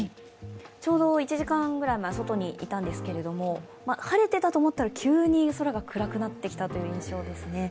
ちょうど１時間ぐらい前、外にいたんですけれども晴れてたと思ったら、急に空が暗くなってきたという印象ですね。